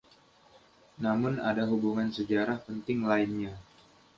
Namun ada hubungan sejarah penting lainnya.